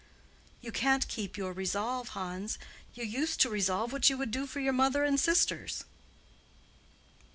"You can't keep your resolve, Hans. You used to resolve what you would do for your mother and sisters."